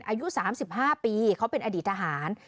อายุ๓๕ปีเขาเป็นอดีตทหาร